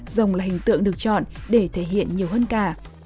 rồng là hình tượng được chọn để thể hiện nhiều hơn cả